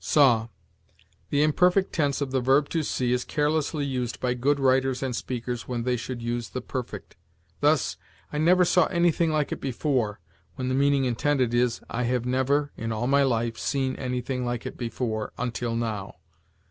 SAW. The imperfect tense of the verb to see is carelessly used by good writers and speakers when they should use the perfect; thus, "I never saw anything like it before," when the meaning intended is, "I have never [in all my life] seen anything like it before [until now]."